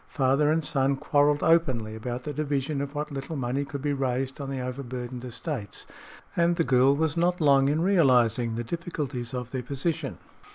Father and son quarreled openly about the division of what little money could be raised on the overburdened estates, and the girl was not long in realizing the difficulties of their position.